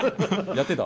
やってた。